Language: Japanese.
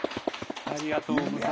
ありがとうございます。